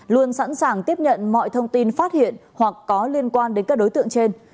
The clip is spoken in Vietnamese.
luôn sẵn sàng tiếp nhận mọi thông tin phát hiện hoặc có liên quan đến các đối tượng trên